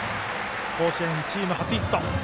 甲子園チーム初ヒット。